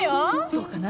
そうかな？